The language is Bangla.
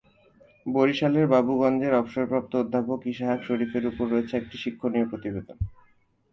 বরিশালের বাবুগঞ্জের অবসরপ্রাপ্ত অধ্যাপক ইসাহাক শরীফের ওপর রয়েছে একটি শিক্ষণীয় প্রতিবেদন।